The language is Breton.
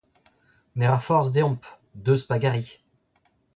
Ne ra forzh deomp. Deus pa gari.